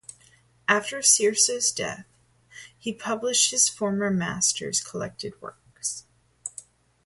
After Cicero's death he published his former master's collected works.